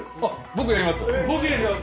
僕やります！